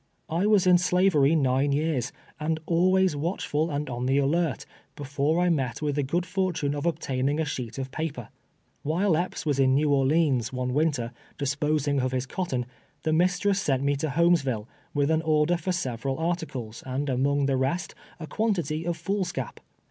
I was in slavery nine years, and always watchful and on the alert, before I met with the good fortune of obtaining a sheet of pa per. AVhile Epps was in Xew Orleans, one winter, disposing of his cotton, the mistress sent me to Ilolmes ville, with an order for several articles, and among the rest a quantity of foolscap.